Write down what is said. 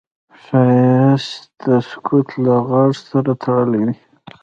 ښایست د سکوت له غږ سره تړلی دی